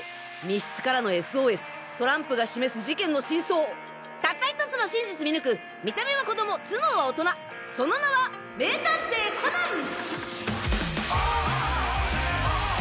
密室からのＳＯＳトランプが示す事件の真相たった１つの真実見抜く見た目は子供頭脳は大人その名は名探偵コナン！